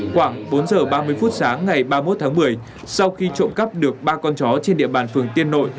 khoảng bốn giờ ba mươi phút sáng ngày ba mươi một tháng một mươi sau khi trộm cắp được ba con chó trên địa bàn phường tiên nội